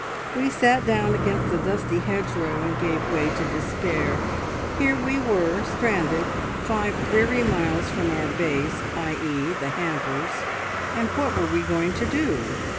We sat down against the dusty hedgerow and gave way to despair. Here we were stranded five weary miles from our base, i.e. the hampers, and what were we going to do?